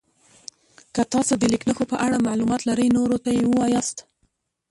که تاسو د لیک نښو په اړه معلومات لرئ نورو ته یې ووایاست.